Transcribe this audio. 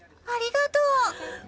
ありがとう！